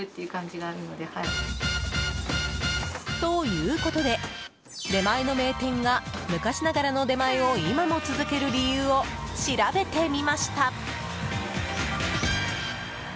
ということで、出前の名店が昔ながらの出前を今も続ける理由を調べてみました。